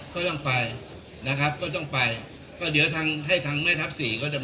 ก็ต้องไปนะครับก็ต้องไปก็เดี๋ยวทางให้ทางแม่ทัพสี่ก็จะ